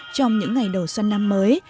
trong những ngày đầu xuân năm mới